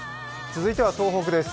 続いては東北です。